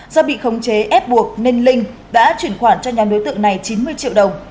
do bị khống chế ép buộc nên linh đã chuyển khoản cho nhà đối tượng này chín mươi triệu đồng